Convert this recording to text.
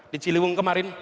di ciliwung kemarin